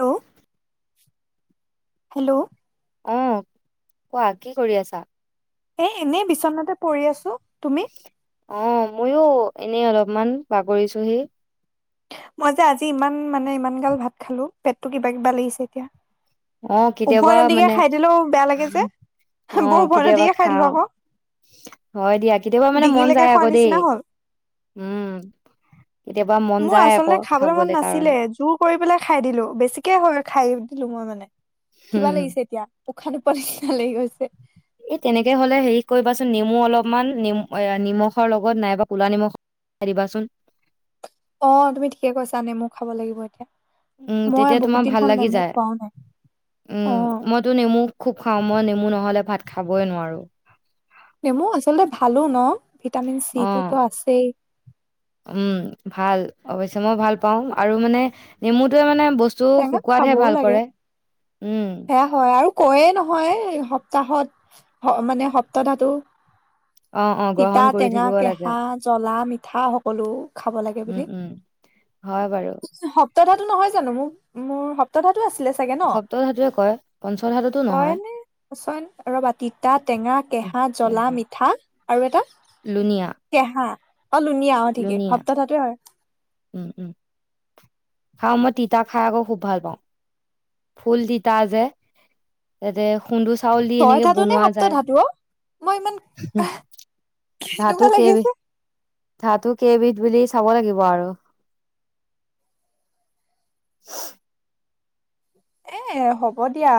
Hello hello. আহ কোৱা কি কৰি আছা। এ এনেই বিচনাতে পৰি আছোঁ। অ মইও এই অলপমান বাগৰিছোহি। মই যে আজি ইমান মানে ইমান গাল ভাত খালোঁ পেটটো কিবা কিবা লাগিছে এতিয়া। আহ উভয় কেতিয়াবা নদীকে মানে খাই দিলেও বেয়া লাগে যে হ'ম বৰ আহ উভয় কেতিয়াবা নদীকে খাই দিলো খাও আকৌ হয় দিয়া কেতিয়াবা মানে মন ডিঙিলৈকে যায় খোৱা আকৌ দেই নিচিনা হ'ল উম। কেতিয়াবা মন মোৰ যায় আকৌ আচলতে খাবলৈ খাবলে মন কাৰণে নাছিলে জোৰ কৰি পেলাই খাই দিলো বেছিকে হয় খাইয়ে দিলো মই মানে। হম কিবা লাগিছে এতিয়া। উশাহ নোপোৱা নিচিনা লাগি গৈছে। এই তেনেকে হ'লে হেৰি কৰিবাচোন নেমু অলপমান নেমু এ নিমখৰ লগত নাইবা ক'লা নিমখৰ দিবাচোন। অ তুমি ঠিকে কৈছানে নেমু খাব লাগিব এতিয়া। উম মই তেতিয়া বহুত তোমাৰ দিন ভাল হ'ল লাগি নেমু যায়, খোৱাও নাই অ উম মইতো নেমু খুব খাও মই নেমু মোৰ নহলে ভাত খাবে নোৱাৰোঁ। নেমু আচলতে ভালো ন? ভিটামিন চি অ টোত আছেই। উম, ভাল অৱশ্যে মই ভাল পাওঁ আৰু মানে নেমুটোয়ে মানে বস্তু টেঙা শুকোৱাতহে খাবও ভাল লাগে কৰে। উম, সেয়া হয় আৰু কৈয়ে নহয় সপ্ত তাহত স মানে সপ্ত ধাতুটো অ', অ', তিতা, গ্ৰহণ কৰি টেঙা, থাকিব কেঁহা, লাগে। জ্বলা, মিঠা সকলো খাব লাগে উম, বুলি উম, হয় বাৰু সপ্ত সপ্ত ধাতু নহয় জানো মোক মোৰ সপ্ত ধা কি আছিলে চাগে ন? সপ্ত ধাতুৱে কয় পঞ্চ ধাতুটো নহয়। এনে কচোন অলপমান তিতা টেঙা, কেঁহা, জ্বলা, মিঠা আৰু এটা? লুনিয়া, কেহা, অ ', লুনিয়া অহ ', ঠিকে সপ্তাহতুটো হয়। উম-উম, খাওঁ মই তিতা খাই আকৌ খুব ভাল পাওঁ। ফুল তিতা যে তাতে, খুন্দো চাউল দি তই এনেকে ধাতো নে বনোৱা সপ্ত যায়। ধাতো অ', মই ইমান ধাতু কেনেকুৱা কেইবিধ লাগিছে। ধাতু কেইবিধ বুলি চাব লাগিব আৰু। [inaudible] এ, ' হ'ব দিয়া।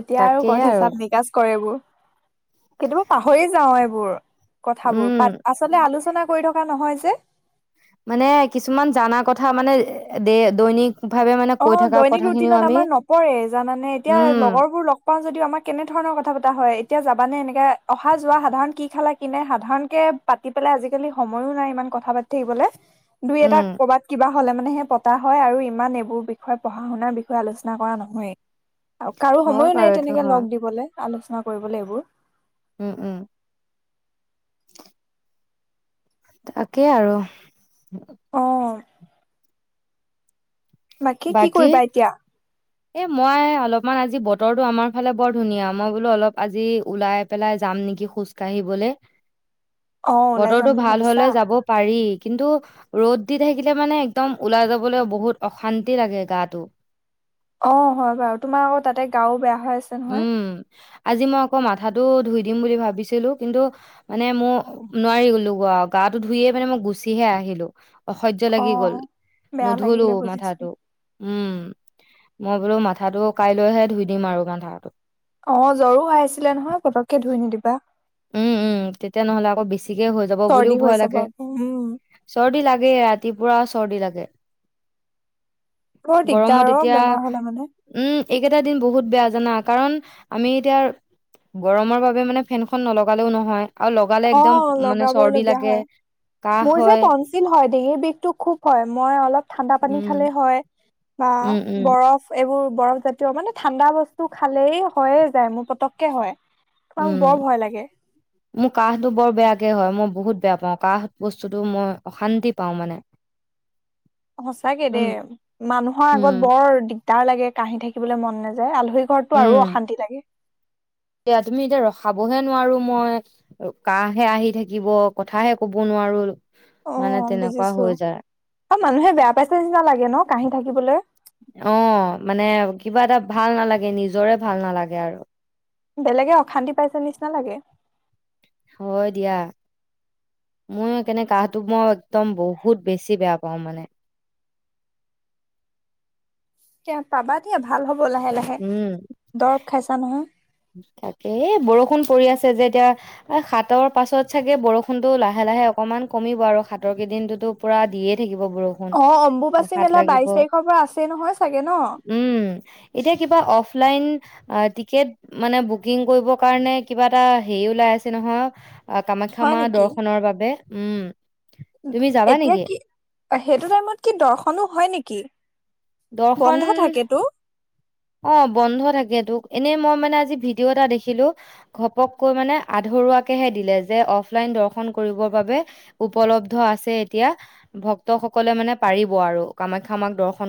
এতিয়া আৰু ক'ত হিচাপ- নিকাচ কৰেবোৰ। কেতিয়াবা পাহৰি যাও এইবোৰ। কথাবোৰ পাত উম। আচলতে আলোচনা কৰি থ, থকা নহয় যে, মানে কিছুমান জানা কথা মানে দে, দৈনিক, ভাৱে মানে কৈ অ', থকা দৈনিক কথাখিনিও ৰুটিনত আমি আমাৰ নপৰে জানানে, এতিয়া উম লগৰবোৰ লগ পাও যদিও আমাৰ কেনে ধৰণৰ কথা পতা হয়। এতিয়া যাবা নে, এনেকে অহা যোৱা সাধাৰণ কি খালা কিনে সাধাৰণ কে পাতি পেলাই আজিকালি সময়ো নাই ইমান কথা পাতি থাকিবলে। দুই এটা উম কৰ'বাত কিবা, হ'লে মানে হে, পতা হয় আৰু ইমান এইবোৰ, বিষয়ে পঢ়া- শুনাৰ বিষয়ে আলোচনা কৰা নহয়েই। আৰু কাৰো হয় সময়ো নাই বাৰু এইটো তেনেকে হয় লগ দিবলে। আলোচনা কৰিবলৈ এইবোৰ। উম- উম, তাকেই আৰু। অহ্ বাকী কি কৰিবা এতিয়া? এ, মই অলপমান আজি বতৰটো আমাৰ ফালে বৰ ধুনীয়া মই বোলো অলপ আজি ওলাই পেলাই যাম নেকি খোজ কাঢ়িবলে। অ' ওলাই যাম বতৰটো বুলি ভাল ভাবিছা হলে যাব পাৰি কিন্তু, ৰ'দ দি থাকিলে মানে একদম ওলাই যাবলৈ বহুত অশান্তি লাগে গাটো। অ ', হয় বাৰু তোমাৰ আকৌ তাতে গাও বেয়া। হৈ আছে নহয়। উম, আজি মই আকৌ মাথাটো ধুই দিম বুলি ভাবিছিলো, কিন্তু মানে মোৰ নোৱাৰি গলো গাটো ধুয়ে মানে মই গুচিহে আহিলো। অসহ্য অ লাগি গল বেয়া নুধুলো লাগিলে বুজিছো মাথাটো। উম', মই বোলো মাথাটো কাইলৈহে ধুই দিম আৰু মান, [unintelligible] অ', জ্বৰো হয় আছিলে নহয় পতককে ধুই নিদিবা। উম- উম তেতিয়া নহ'লে আকৌ বেছি, বেচিকে হৈ যাব বুলিও চৰ্দি হৈ ভয় যাব লাগে আকৌ উম চৰ্দি লাগে এ ৰাতিপুৱা চৰ্দি লাগে বৰ দিগদাৰ গৰমত আৰু এতিয়া বেমাৰ হ'লে মানে উম এইকেইটা দিন বহুত বেয়া জানা কাৰণ আমি এতিয়া গৰমৰ বাবে মানে ফেন খন নলগালেও নহয় আৰু লগালে অ একদম মানে লগাব চৰ্দি লগীয়া লাগে কাহ হয় মূৰৰ বিষটো খুব হয় মই অলপ ঠাণ্ডা পানী উম, খালে হয় বা উম, উম, বৰফ এইবোৰ বৰফ জাতীয় মানে ঠাণ্ডা বস্তু খালেই হযয়ে যায় মোৰ পতককে হয় কাৰণ মোক বৰ উম, ভয় লাগে মোৰ কাহটো বৰ বেয়াকে হয় মই বহুত বেয়া পাওঁ কাহ বস্তুটো মই অশান্তি পাওঁ মানে সচাকে দে উম, মানুহৰ আগত উম, বৰ দিগদ দিগদাৰ লাগে কাহি থাকিবলৈ মন নাযায় আল আলহী ঘৰতটো আৰু অশান্তি লাগে এয়া তুমি এতিয়া ৰখাবহে নোৱাৰো মই কাহহে আহি থাকিব কথাহে ক'ব নোৱাৰো অ মানে তেনেকুৱা বুজিছো হৈ যায়। অ মানুহে বেয়া পাইছে নিচিনা লাগে ন কাহি থাকিবলৈ অ', মানে কিবা এটা ভাল নালাগে নিজৰে ভাল নালাগে আৰু বেলেগে অশান্তি পাইছে নিচিনা লাগে হয় দিয়া মই স কেনে কাহটো মই একদম বহুত বেছি বেয়া পাওঁ মানে তে পাবা দিয়া ভাল হ'ব হ'ব লাহে লাহে দৰৱ খাইছা নহয় তাকেই বৰষুণ পৰি আছে যে এতিয়া হাতৰ পাছত চাগে বৰষুনতো লাহে লাহে অকনমান কমিব আৰু সাতৰ কেইদিনটোতো পুৰা দিয়ে থাকিব বৰষুণ অ এতিয়া অম্বুবাচী সাত মেলা লাগিব বাইশ তাৰিখৰ পৰা আছেই নহয় চাগে ন উম এতিয়া কিবা অফলাইন টিকেট মানে বুকিং কৰিবৰ কাৰণে কিবা এটা হেৰি ওলাই আছে নহয় কামাখ্যা হয় মা নেকি দৰ্শনৰ বাবে উম তুমি যাবা এতিয়া নেকি কি সেইটো টাইমত কি দৰ্শনো হয় নেকি বন্ধ দৰ্শন থাকেতো অ বন্ধ থাক তোক এনেই মই মানে আজি ভিডিঅ' এটা দেখিলো ঘপককৈ মানে আধৰুৱাকেহে দিলে যে অফলাইন দৰ্শন কৰিবৰ বাবে উপলব্ধ আছে এতিয়া ভক্তসকলে মানে পাৰিব আৰু কামাখ্য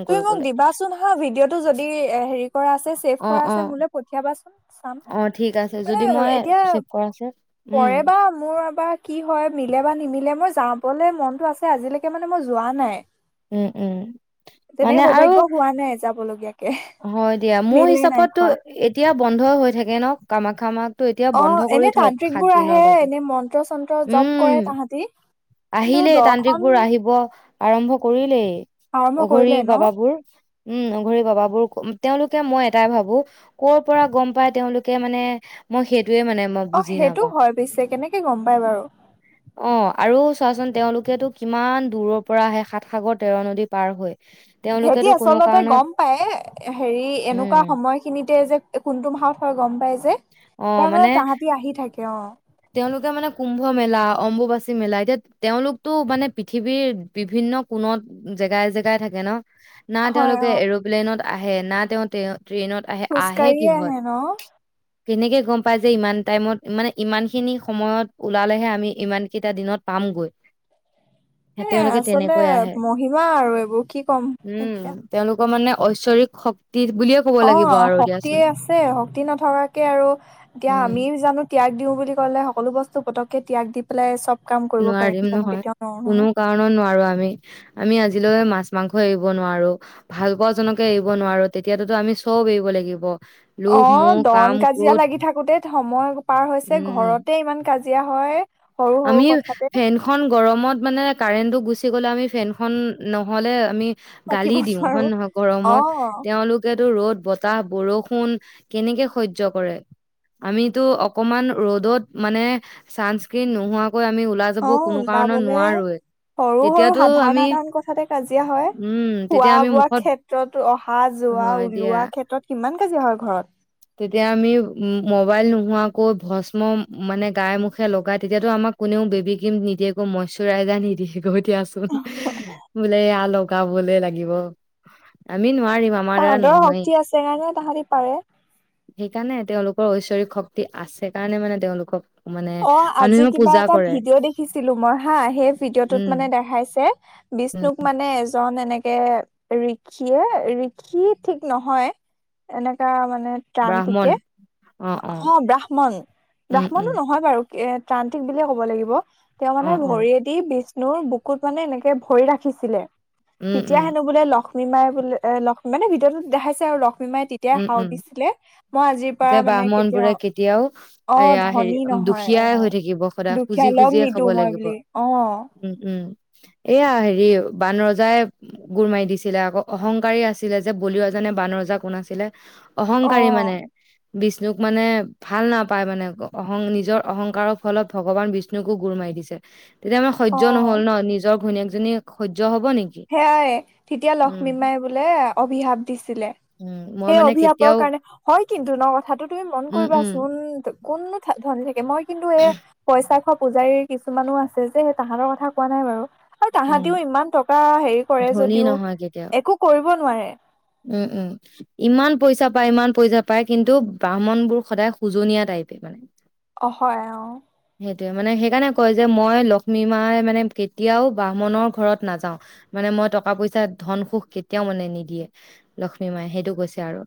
তুমি মোক দিবাচোন হা ভিডিঅ'টো যদি এ হেৰি কৰা আছে ছেভ অ কৰা অ আছে মোলৈ পঠিয়াবাচোন চাম অ ঠিক আছে মানে যদি মই এতিয়া ছেভ কৰা আছে উম পৰে বা মোৰ বা কি হয় মিলে বা নিমিলে মই চাবলে মনতটো আছে আজিলৈকে মানে মই যোৱা নাই উম উম। মানে তেনেকে আৰু সৌভাগ্য হোৱা নাই যাবলগীয়া। হয় দিয়া মোৰ হিচাপততো এতিয়া বন্ধ হৈ থাকে ন, কামা খামাক অ এনে তান্ত্ৰিকবোৰ আহে বাবে এনে মন্ত্ৰ চন্ত্ৰ জপ উম কৰে তাহাঁতি। কিন্তু আহিলেই দৰ্শন, তান্ত্ৰিকবোৰ আহিব আৰম্ভ কৰিলেই। আৰম্ভ অঘৰী কৰিলে ন বাবাবোৰ। উম অঘৰি বাবাবোৰ, তেওঁলোকে মই এটাই ভাবো, কৰ পৰা গম পাই তেওঁলোকে মানে মই সেই অ সেইটো হয় পিছে। কেনেকে গম পাই বাৰু, অ আৰু চোৱাচোন তেওঁলোকেতো কিমান দূৰৰ পৰা আহে, সাত সাগৰ তেৰ নদী পাৰ হৈ। সেতি তেওঁলোকেতো কোনো আচলতে কাৰণত গম পাইয়ে হেৰি এনেকুৱা উম সময় খিনিতে যে কোনটো মাহত হয় গম পাই। তাৰ মানে তাহাঁতি আহি থাকে। কিয়? তেওঁলোকে মানে কুম্ভ মেলা, অম্বুবাচী মেলা, এতিয়া তেওঁলোকতটো মানে পৃথিৱীৰ বিভিন্ন কোণত জেগাই জেগাই থাকে ন। না হয় তেওঁলোকে অ এৰপ্লেইনত, আহে না তেওঁতে ট্ৰেইনত আহে, আহে খোজকাঢ়িয়ে কিহত? আহে ন তেনেকে গম পাই যে ইমান টাইমত, মানে ইমান খিনি সময়ত ওলালেহে আমি ইমান কেইটা দিনত পামগৈ। হে এ তেওঁলোকে আচলতে তেনেকৈ আহে। মহিমা আৰু এইবোৰ, কি ক'ম উম, এতিয়া তেওঁলোকৰ মানে ঐশ্বৰিক শক্তি। বুলিয়ে ক'ব অ লাগিব আৰু দিয়াচোন। শক্তিয়ে আছে, শক্তি নথকাকে আৰু এতিয়া উম, আমি জানো ত্যাগ দিও বুলি ক'লে, সকলো বস্তু পতকে ত্যাগ দি পেলাই চব কাম কৰিব পাৰিম নোৱাৰিম জানো নহয়। কেতিয়াও নোৱাৰো কোনো নহয় কাৰণত নোৱাৰো আমি। আমি আজিলৈ মাছ মাংস এৰিব নোৱাৰো, ভাল পোৱা জনকে এৰিব নোৱাৰো তেতিয়াততো আমি চব এৰিব লাগিব। লোভ, অ', মোহ, কাম, দন-কাজিয়া ক্ৰোধ লাগি থাকোতে সময় পাৰ হৈছে, উম। ঘৰতে ইমান কাজি জিয়া হয়। সৰু সৰু আমি কথাতে ফেনখন গৰমত মানে কাৰেন্টটো গুচি গ'লে আমি ফেনখন নহ'লে আমি গালি থাকিব দিওঁ, হয় নোৱাৰো নহয় অ গৰমত, তেওঁলোকে বুলো ৰ'দ, বতাহ, বৰষুণ কেনেকে সহ্য কৰে, আমিতো অকমান ৰ'দত মানে চাঞ্চ কি নোহোৱা অ ওলাবলে সৰু-সৰু তেতিয়াতো আমি সাধাৰণ-সাধাৰণ কথাতে কাজিয়া হয়, উম তেতিয়া আমি খোৱা-বোৱা মুখত ক্ষেত্ৰত, অহা-যোৱা, হয় দিয়া ওলোৱা ক্ষেত্ৰত কিমান কাজিয়া হয় ঘৰত তেতিয়া আমি উ মবাইল নোহোৱাকৈ ভস্ম মানে গাই, মুখে লগাই তেতিয়াতো আমাক কোনেও বেবী ক্ৰীম নিদিয়েগৈ, মইচুৰাইজাৰ নিদিয়েগৈ দিয়াচোন, বোলে এয়া লগাবলে লাগিব, আমি নোৱাৰিম আমাৰ দ্বাৰা তাহাঁতৰ নহয়েই শক্তি আছে, সেইকাৰণে তাহাঁতি পাৰে। সেইকাৰণে তেওঁলোকৰ ঐশ্বৰিক শক্তি আছে কাৰণে মানে তেওঁলোকক মানে অ, আজি মানুহেও কিবা পূজা এটা কৰে ভিডিঅ' দেখিছিলো মই হা, সেই ভিডিঅ'টোত উম মানে দেখাইছে বিষ্ণুক মানে এজন এনেকে ঋষিয়ে, ঋষি ঠিক নহয় এনেকা মান নে ব্ৰাহ্মণ ত্ৰান্তিকে, অ', ব্ৰাহ্মণ, উম ব্ৰাহ্মণো উম নহ এ ত্ৰান্তিক বুলিয়ে ক'ব লাগিব। তেওঁ অ মানে অ ভৰিয়ে দি বিচ ন, বুকুত মানে এনেকে ভৰি ৰাখিছিলে। উম তেতিয়া উম হেনো বোলে লখ লক্ষ্মী মাই বোলে এ লক্ষ্ম, মানে ভিডিঅ'টোত দেখাইছে আৰু লখ লক্ষ্মী মাই তেতিয়া উম সাও উম দিছিলে, মই আজিৰ যে পৰা মানে ব্ৰাহ্মণ কেতিয়াও, বোৰে অ', এয়া হেৰি ধনী নহ দুখীয়াই হৈ অ', থাকিব সদায় খুজি দুখীয়ালক খুজিয়ে খাব নিদো মই লাগিব বুলি, অ',। উম উম, এয়া হেৰি বান ৰজাই গোৰ মাৰি দিছিলে আকৌ অহংকাৰী আছিলে যে, বলি ৰজা নে বান ৰজা কোন আছি ছিলে অ অহংকাৰী মানে। বিষ্ণুক মানে ভাল নাপায় মানে অক, অহং নিজৰ অহংকাৰৰ ফলত ভগৱান বিষ্ণুকো গোৰ মাৰি দিছে। তেতিয়া মানে অ সহ্য নহ'ল ন, নিজৰ ঘৈনীয়েক জ জনিয়ে সৈত সেয়াই, তেতিয়া লক্ষ্মী উম মাই বোলে অভিশাপ দিছিলে। উম মই সেই মানে অভিশাপৰ কেতিয়াও কাৰণে, হয় কিন্তু ন কথাটো, তুমি মন উম উম কৰিবাচোন কোন নো থা ধন লীক মই কিন্তু এ পইচা খৰ পূজাৰীৰ কিছুমানো আছে যে সেই তাহাঁতৰ কথা কোৱা নাই বাৰু হয় উম তাহাঁতিও ইমান টকা হেৰী কৰে ধনী যদিও নহয় কেতিয়াও একো কৰিব কৰিব নোৱাৰে উম উম ইমান পইচা পায় ইমান পইচা পায় কিন্তু ব্ৰাহ্মণ বোৰ সদায় সোজনীয়া টাইপে মানে অ হয় আহ সেইটোৱে মানে সেইকাৰণে কয় যে মই লক্ষ্মী মাই মানে কেতিয়াও ব্ৰাহ্মণৰ ঘৰত নাযাও মানে মই টকা পইচা ধন সুখ কেতিয়াও মানে নিদিয়ে লক্ষ্মী মায়ে সেইটো কৈছে আৰু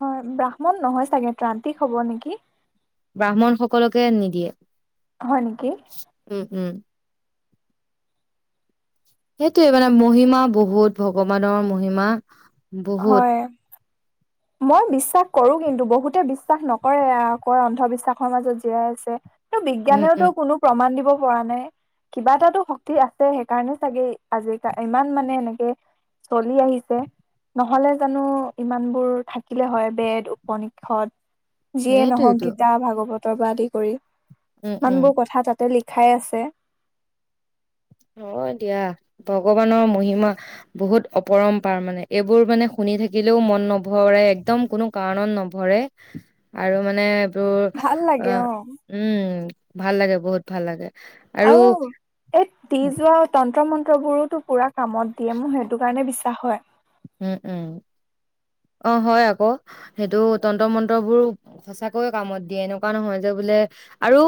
হয় ব্ৰাহ্মণ নহয় চাগে ত্ৰান্তিক হ'ব নেকি ব্ৰাহ্মণ সকলকে নিদিয়ে হয় নেকি উম উম সেইটোয়ে মানে, মহিমা বহুত ভগৱানৰ মহিমা বহুত। হয় মই বিশ্বাস কৰো কিন্তু, বহুতে বিশ্বাস নকৰে, আকৌ অন্ধবিশ্বাসৰ মাজত জীয়াই আছে। তো' উম বিজ্ঞানেও তো', উম কোনো প্ৰমণ দিব পৰা নাই, কিবা এটাটো শক্তি আছে সেইকাৰণে চাগে, আজিাল ইমান মানে এনেকে চলি আহিছে, নহলে জানো, ইমান বোৰ থাকিলে হয়, বেদ উপনিষদ যিয়ে নহওক, সেইটোয়েতো গীতা ভাগৱত ৰ পৰা আদি কৰি। উম ইমান উম বোৰ কথা তাতে লিখি খাই আছে। অ' দিয়া, ভগৱানৰ মহিমা বহুত অপৰম্পাৰ মানে, এইবোৰ মানে শুনি থাকিলেও মন নভৰে, একদম কোনো কাৰণত নভৰে, আৰু মানে তো, ভাল লাগে আ', অ' উম। ভাল লাগে, বহুত ভাল লাগে। আৰু এ দিজোৱা মন্ত্ৰ মন্ত্ৰবোৰোতো পুৰা কামত দিয়ে, মোৰ সেইটো কাৰণে হয়। উম উম, অঁ হয় আকৌ, সেইটো তন্ত্ৰ মন্ত্ৰবোৰ সঁচাকৈয়ে কামত দিয়ে, এনেকুৱা নহয় যে বোলে, আৰু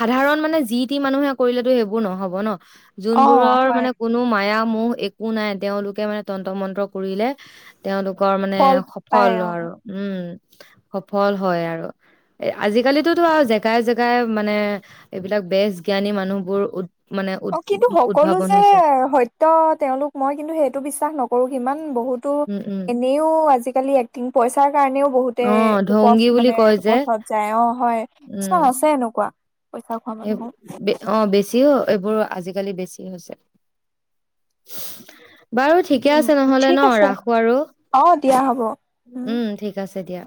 সাধাৰণ মানে যি টি মানুহে কৰিলেতো সেইবোৰ নহব ন অ' যোনবোৰৰ হয় মানে কোনো মায়া মো একো নাই, তেওঁলোকে মানে [unintelligible] কৰিলে তোওলোক গৰ মানে ফল সফল পায় অ'। আৰু, উম। সফল হয় আৰু, এ আজিকালিতোতো আৰু জেগাই জেগাই মানে এইবিলাক বেচ জ্ঞানী মানুহবোৰ মানে উদ অ' কিন্তু সকলো উদ্ভাৱন যে হৈছে সত্য তেওঁলোক মই কিন্তু সেইটো বিশ্বাস নকৰো কিমান বহুতো, উম উম এনেও আজিকালি এক্টিং পইচ কাৰণেও অ বহুতে‌' পথ ঢংগী বুলি মানে কয় যে পথত যায়, অঁ হয়, কিছুমান আছে এনেকুৱা। পইচা খোৱা মানুহো অঁ বেছিও এইবোৰো আজিকালি বেছি হৈছে। বাৰু ঠিকে উম আছে নহ'লে ঠিক ন, আছে ৰাখো আৰু, অ দিয়া হ'ব উম ঠিক আছে দিয়া।